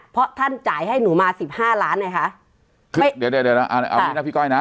เพราะท่านจ่ายให้หนุมาสิบห้าล้านค่ะเดี๋ยวเอาดึงไว้หน้าน่าพี่ก้อยนะ